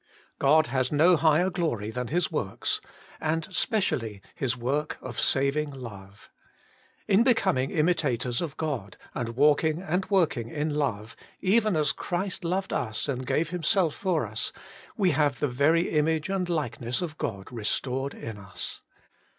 God has no higher glory than His works, and specially His work of saving love. In becoming imitators of God, and walking and working in love, even as Christ loved us and gave Himself for us, Working for God 115 we have the very image and Hkeness of God restored in us.